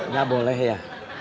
gak boleh ya